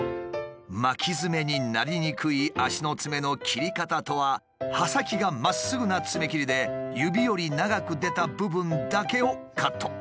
巻きヅメになりにくい足のツメの切り方とは刃先がまっすぐなツメ切りで指より長く出た部分だけをカット。